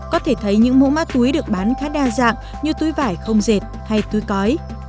có thể thấy những mẫu ma túi được bán khá đa dạng như túi vải không dệt hay túi cói